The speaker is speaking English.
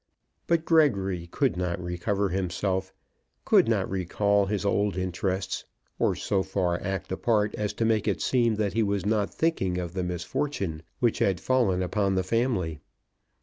But Gregory could not recover himself, could not recall his old interests, or so far act a part as to make it seem that he was not thinking of the misfortune which had fallen upon the family.